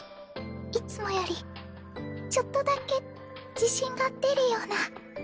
いつもよりちょっとだけ自信が出るような。